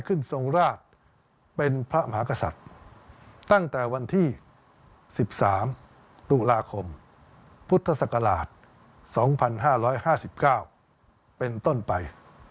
ทรงราชเป็นพระมหากษัตริย์ตั้งแต่วันที่๑๓ตุลาคมพุทธศักราช๒๕๕๙เป็นต้นไป